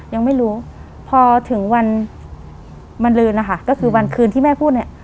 ยังไม่รู้พอถึงวันมันลืนนะคะก็คือวันคืนที่แม่พูดเนี่ย